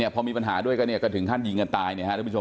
พอมีปัญหาด้วยก็ถึงท่านยิงกันตาย